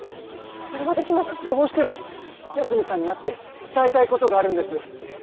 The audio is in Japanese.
どうしても八海さんに会って伝えたいことがあるんです。